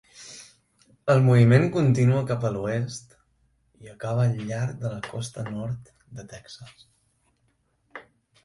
El moviment continua cap a l'oest i acaba al llarg de la costa nord de Texas.